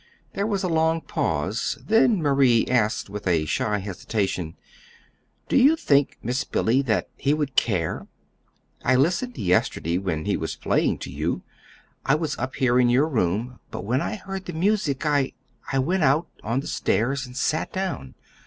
There was a long pause, then Marie asked with shy hesitation: "Do you think, Miss Billy that he would care? I listened yesterday when he was playing to you. I was up here in your room, but when I heard the music I I went out, on the stairs and sat down.